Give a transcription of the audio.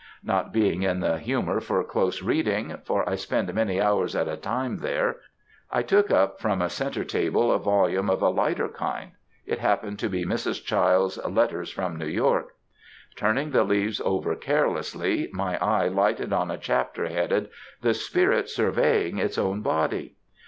Not being in the humour for close reading (for I spend many hours at a time there) I took up from a centre table a volume of a lighter kind. It happened to be Mrs. Child's "Letters from New York." Turning the leaves over carelessly, my eye lighted on a chapter headed "The spirit surveying its own body!"